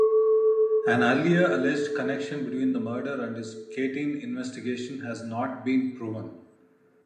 An earlier alleged connection between the murder and his Katyn investigation has not been proven.